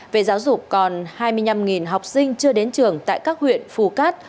về giáo dục còn hai mươi năm học sinh chưa đến trường tại các huyện phù cát